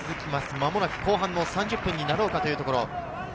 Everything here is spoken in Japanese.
間もなく後半３０分になろうかというところ。